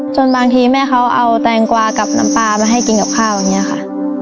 บางทีแม่เขาเอาแตงกวากับน้ำปลามาให้กินกับข้าวอย่างนี้ค่ะ